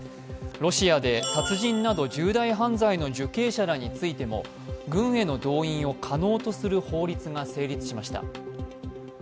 ロシアで殺人など重大犯罪の受刑者などについても軍への動員を可能とする法律が成立しました。